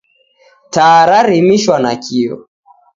Taa rarimishwa nakio.